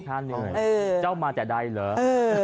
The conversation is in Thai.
ข้าวเหนื่อยเจ้ามาแต่ใดเหรอ